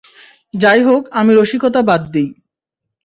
যাইহোক আমি রসিকতা বাদ দিই।